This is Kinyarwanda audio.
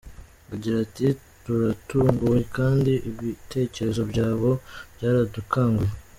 Agira ati “Twaratunguwe! Kandi ibitekerezo byabo byaradukanguye.